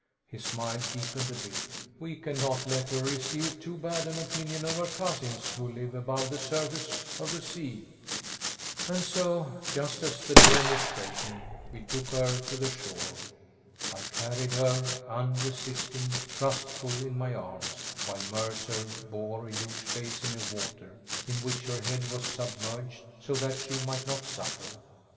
His smile deepened a bit. "We cannot let her receive too bad an opinion of her cousins who live above the surface of the sea!" And so, just as the dawn was breaking, we took her to the shore. I carried her, unresisting, trustful, in my arms, while Mercer bore a huge basin of water, in which her head was submerged, so that she might not suffer.